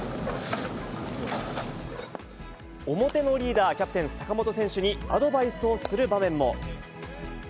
表のリーダーキャプテン、坂本選手にアドバイスをする場面も。